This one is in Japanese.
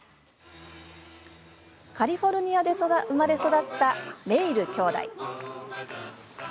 カリフォルニアで生まれ育ったメイル兄弟。